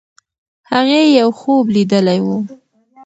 هغې یو خوب لیدلی وو.